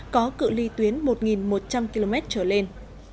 có cự li tuyến một một trăm linh km trở lên